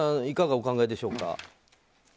いかがお考えでしょうか。